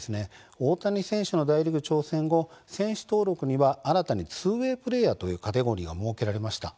大谷選手の大リーグ挑戦後、選手登録には新たにツーウェイプレーヤーといわれるカテゴリーが設けられました。